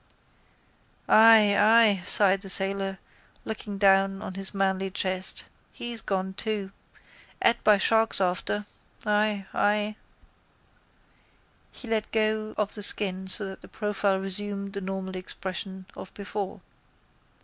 —Ay, ay, sighed the sailor, looking down on his manly chest. He's gone too. Ate by sharks after. Ay, ay. He let go of the skin so that the profile resumed the normal expression of before.